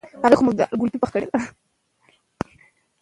فساد په ښوونځي کې نشته.